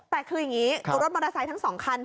แต่คืออย่างนี้รถมอเตอร์ไซค์ทั้ง๒คัน